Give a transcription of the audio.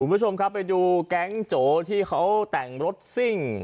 คุณผู้ชมครับไปดูแก๊งโจที่เขาแต่งรถซิ่ง